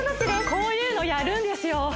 こういうのやるんですよ